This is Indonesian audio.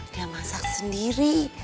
dia masak sendiri